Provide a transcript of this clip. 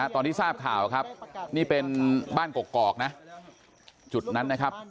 ตอนที่ทราบข่าวครับนี่เป็นบ้านกกอกนะจุดนั้นนะครับ